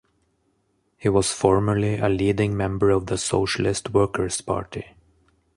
He was formerly a leading member of the Socialist Workers Party.